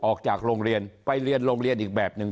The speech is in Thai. ออกจากโรงเรียนไปเรียนโรงเรียนอีกแบบหนึ่ง